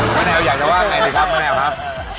มะแนวอยากจะว่ากันไงครับมะแนวครับ